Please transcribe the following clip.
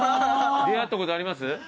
出合ったことあります？